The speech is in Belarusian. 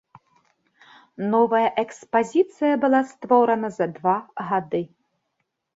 Новая экспазіцыя была створана за два гады.